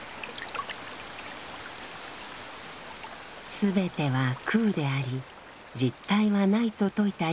「すべては空であり実体はない」と説いた龍樹。